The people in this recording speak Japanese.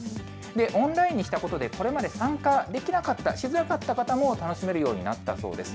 オンラインにしたことで、これまで参加できなかった、しづらかった方も楽しめるようになったそうです。